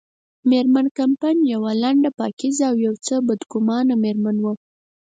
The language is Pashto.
مېرمن کمپن یوه لنډه، پاکیزه او یو څه بدګمانه مېرمن وه.